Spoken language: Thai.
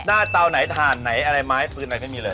เตาไหนถ่านไหนอะไรไม้ฟื้นอะไรไม่มีเลย